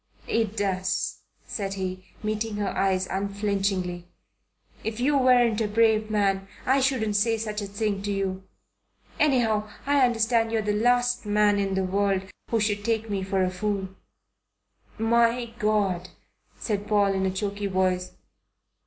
"It does," said he, meeting her eyes unflinchingly. "If you weren't a brave man, I shouldn't say such a thing to you. Anyhow I understand you're the last man in the world who should take me for a fool." "My God!" said Paul in a choky voice.